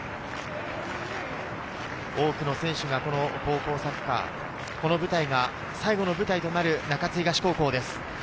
多くの選手がこの高校サッカー、この舞台が最後の舞台となる中津東高校です。